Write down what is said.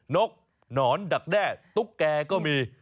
นกหนอนดักแด้ตุ๊กแกก็มี